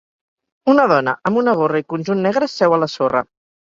Una dona amb una gorra i conjunt negres seu a la sorra.